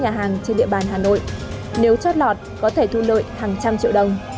nhà hàng trên địa bàn hà nội nếu chót lọt có thể thu lợi hàng trăm triệu đồng